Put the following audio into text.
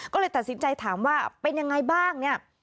ก็เลยตัดสินใจถามว่าเป็นยังไงบ้างเนี่ย